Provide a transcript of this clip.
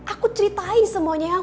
aku ceritain semuanya